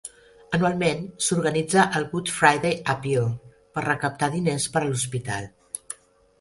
Anualment, s'organitza el "Good Friday Appeal" per recaptar diners per a l'hospital.